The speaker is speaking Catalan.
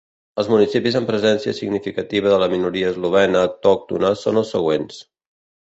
Els municipis amb presència significativa de la minoria eslovena autòctona són els següents.